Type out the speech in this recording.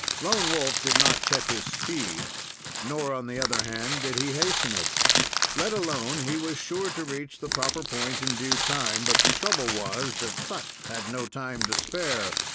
Lone Wolf did not check his speed; nor, on the other hand, did he hasten it. Let alone, he was sure to reach the proper point in due time; but the trouble was that Sut had no time to spare.